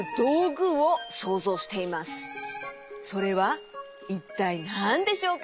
それはいったいなんでしょうか？